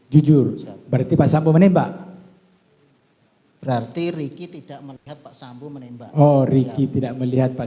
jujur berarti pasang menembak berarti ricky tidak melihat pak sambung menembak ori tidak melihat pak